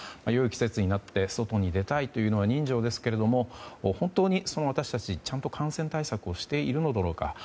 良い季節になって外に出たいというのは人情ですけれども本当に私たち、ちゃんと感染対策をしているのだろうか。